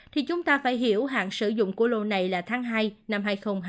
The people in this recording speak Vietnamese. thì chúng ta phải hiểu hạn sử dụng của lô này là tháng hai năm hai nghìn hai mươi